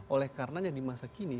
oleh karenanya di masa kini